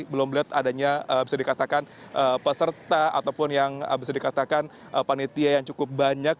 belum melihat adanya bisa dikatakan peserta ataupun yang bisa dikatakan panitia yang cukup banyak